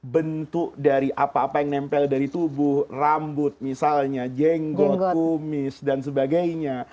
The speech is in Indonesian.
bentuk dari apa apa yang nempel dari tubuh rambut misalnya jenggot kumis dan sebagainya